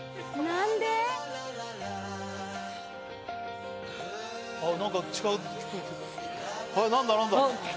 何だ？